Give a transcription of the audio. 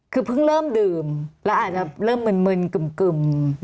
คือเพิ่งเริ่มดื่มแล้วอาจจะเริ่มมึนกึ่ม